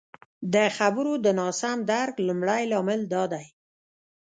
د خبرو د ناسم درک لمړی لامل دادی